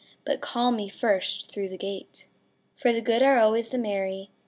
But call me first through the gate; i8 For the good are always the merry.